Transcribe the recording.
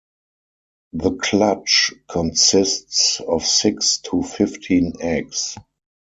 The clutch consists of six to fifteen eggs.